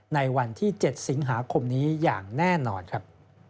ในวันที่๗สิงหาคมนี้อย่างแน่นอนครับ